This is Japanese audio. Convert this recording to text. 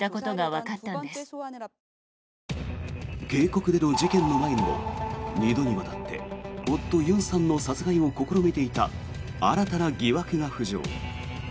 渓谷での事件の前にも２度にわたって夫・ユンさんの殺害を試みていた新たな疑惑が浮上。